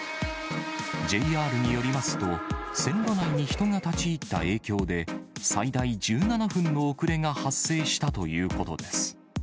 ＪＲによりますと、線路内に人が立ち入った影響で、最大１７分の遅れが発生したということです。